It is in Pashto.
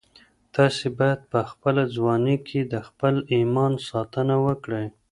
تاسي باید په خپله ځواني کي د خپل ایمان ساتنه وکړئ.